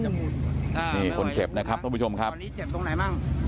นี่คนเจ็บนะครับท่านผู้ชมครับตอนนี้เจ็บตรงไหนบ้าง